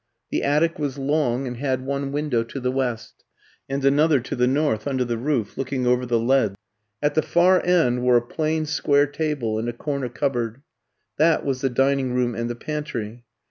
The attic was long, and had one window to the west, and another to the north under the roof, looking over the leads. At the far end were a plain square table and a corner cupboard. That was the dining room and the pantry.